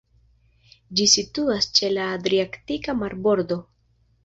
Ĝi situas ĉe la Adriatika marbordo.